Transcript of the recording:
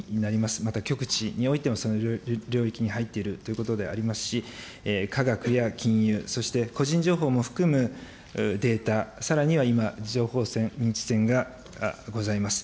また極地においてもその領域に入っているということでありますし、かがくや金融、そして個人情報も含むデータ、さらには今、情報戦、認知戦がございます。